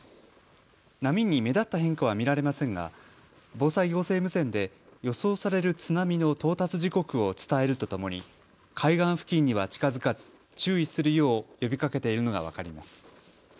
波に目立った変化は見られませんが、防災行政無線で予想される津波の到達時刻を伝えるとともに海岸付近には近づかず注意するよう呼びかけているのが分かります。